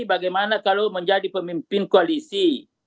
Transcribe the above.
bagaimana kalau menjadi pemimpin koalisi